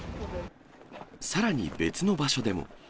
さらに別の場所でも。